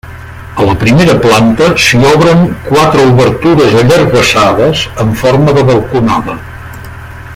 A la primera planta s'hi obren quatre obertures allargassades en forma de balconada.